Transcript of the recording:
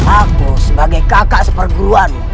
aku sebagai kakak seperguruan